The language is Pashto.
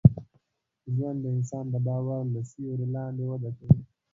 ژوند د انسان د باور له سیوري لاندي وده کوي.